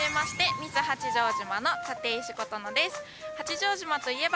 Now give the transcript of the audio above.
ミス八丈島の立石琴乃です。